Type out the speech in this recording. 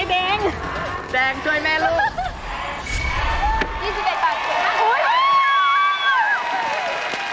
ไอ้แดงแดงช่วยแม่ลูก